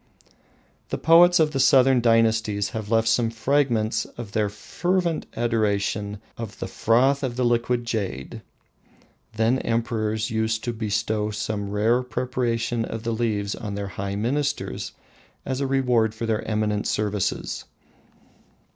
The poets of the southern dynasties have left some fragments of their fervent adoration of the "froth of the liquid jade." Then emperors used to bestow some rare preparation of the leaves on their high ministers as a reward for eminent services.